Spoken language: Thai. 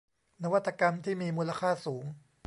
นวัตกรรมที่มีมูลค่าสูง